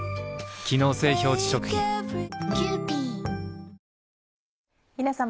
機能性表示食品皆様。